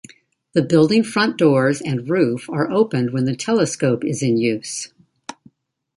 The building front doors and roof are opened when the telescope is in use.